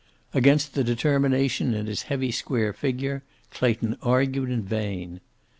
Against the determination in his heavy square figure Clayton argued in vain.